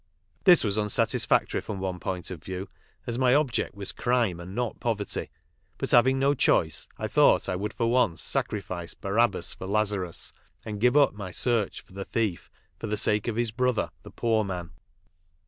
This was unsatisfactory from one point of view, as my object was crime and not poverty ; but having no choice I thought I would for once sacrifice Barabbas for Lazarus, and give up my search for the thief for the sake of his brother the poor man.